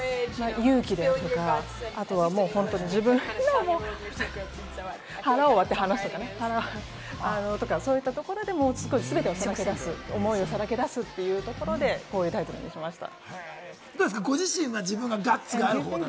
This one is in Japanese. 勇気であるとか、あとは本当に自分の腹を割って話したりとか、そういったところでも、すごく全てを、かつ、思いをさらけ出すというところでこういうタイトルにしました。